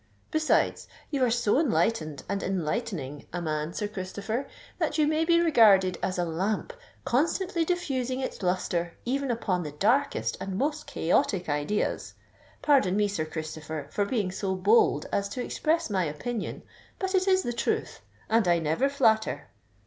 "Besides, you are so enlightened and enlightening a man, Sir Christopher, that you may be regarded as a lamp constantly diffusing its lustre even upon the darkest and most chaotic ideas. Pardon me, Sir Christopher, for being so bold as to express my opinion: but it is the truth—and I never flatter."